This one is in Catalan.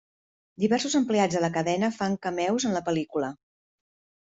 Diversos empleats de la cadena fan cameos en la pel·lícula.